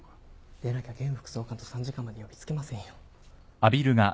でなきゃ現副総監と参事官まで呼びつけませんよ。